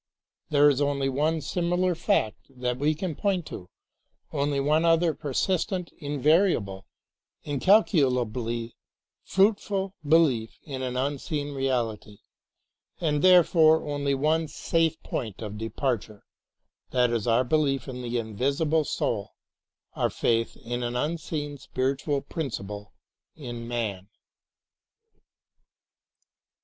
There is only one similar fact that we can point to, only one other persistent, invariable, incalculably fruitful be lief in an unseen reality, and therefore only one safe point of departure, — that is our belief in the invisible soul, our faith in an unseen spiritual principle in man.